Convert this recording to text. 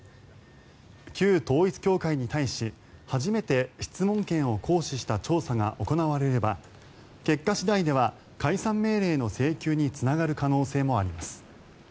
旧統一教会に対し初めて質問権を行使した調査が行われれば結果次第では解散命令の請求につながる可能性もあります。